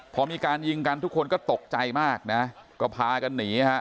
พอมีการยิงกันทุกคนก็ตกใจมากนะก็พากันหนีฮะ